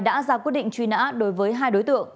đã ra quyết định truy nã đối với hai đối tượng